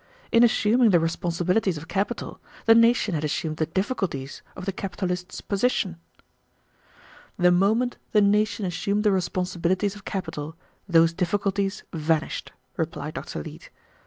In assuming the responsibilities of capital the nation had assumed the difficulties of the capitalist's position." "The moment the nation assumed the responsibilities of capital those difficulties vanished," replied Dr. Leete.